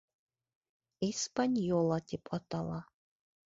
«Испаньола» тип атала.